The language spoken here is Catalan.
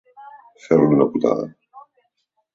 Fer-li una putada.